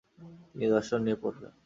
তিনি দর্শন নিয়ে পড়বেন।